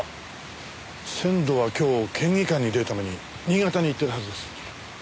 仙堂は今日県議会に出るために新潟に行ってるはずです。